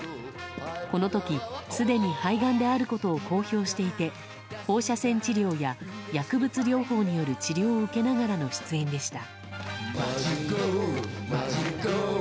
この時、すでに肺がんであることを公表していて放射線治療や薬物療法による治療を受けながらの出演でした。